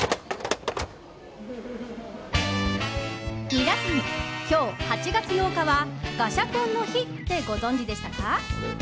皆さん、今日８月８日はガシャポンの日ってご存じでしたか？